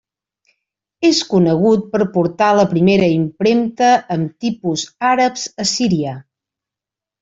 És conegut per portar la primera impremta amb tipus àrabs a Síria.